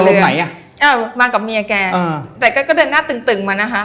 อ๋อรู้ไหมอ่ะเออมากับเมียแกอ่าอืมแต่แกก็เดินหน้าตึ่งมานะคะ